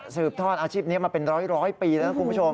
ทอดอาชีพนี้มาเป็นร้อยปีแล้วนะคุณผู้ชม